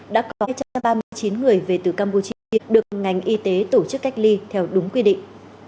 đã có một trăm ba mươi chín người về từ campuchia được ngành y tế tổ chức cách ly theo đúng quy định